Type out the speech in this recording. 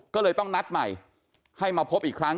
ก็เลยต้องนัดใหม่ให้มาพบอีกครั้ง